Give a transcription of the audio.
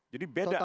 jadi beda antara